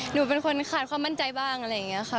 หนูเป็นคนขาดความมั่นใจบ้างอะไรอย่างนี้ค่ะ